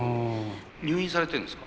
入院されてるんですか？